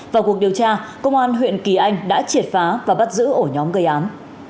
vào cuộc điều tra công an huyện kỳ anh đã triệt phá và bắt giữ ổ nhóm gây án